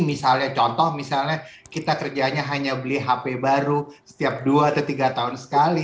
misalnya contoh misalnya kita kerjanya hanya beli hp baru setiap dua atau tiga tahun sekali